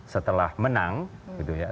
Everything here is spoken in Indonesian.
setelah menang gitu ya